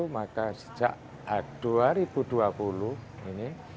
maka sejak dua ribu dua puluh ini